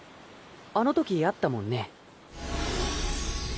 あの時会ったもんね。